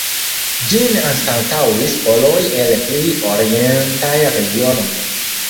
Ĝin anstataŭis poloj el pli orientaj regionoj.